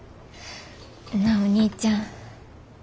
なあお兄ちゃん。